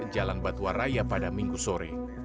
jalan batu raya pada minggu sore